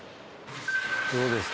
どうですか？